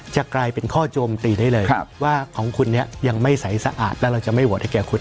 จะกลายเป็นข้อโจมตีได้เลยว่าของคุณเนี่ยยังไม่ใสสะอาดแล้วเราจะไม่โหวตให้แก่คุณ